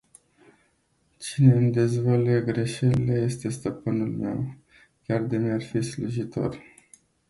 Cine îmi dezvăluie greșelile este stăpânul meu, chiar de mi-ar fi slujitor.